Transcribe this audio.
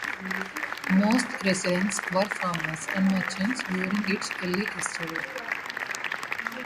Most residents were farmers and merchants during its early history.